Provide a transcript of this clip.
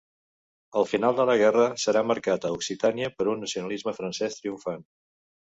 El final de la guerra serà marcat a Occitània per un nacionalisme francès triomfant.